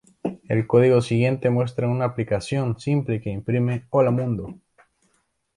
El código siguiente muestra una aplicación simple que imprime "¡Hola Mundo!